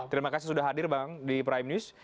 terima kasih sudah hadir bang di prime news